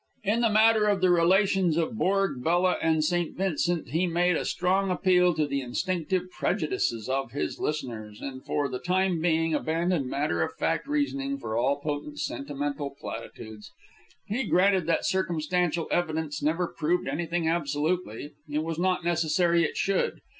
In the matter of the relations of Borg, Bella, and St. Vincent, he made a strong appeal to the instinctive prejudices of his listeners, and for the time being abandoned matter of fact reasoning for all potent sentimental platitudes. He granted that circumstantial evidence never proved anything absolutely. It was not necessary it should.